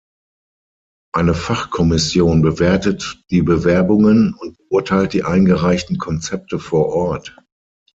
Eine Fachkommission bewertet die Bewerbungen und beurteilt die eingereichten Konzepte vor Ort.